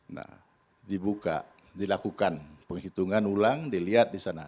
nah dibuka dilakukan penghitungan ulang dilihat di sana